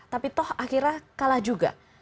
tapi toh akhirnya kalah juga